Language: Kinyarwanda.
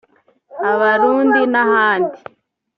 abarundi n’ahandi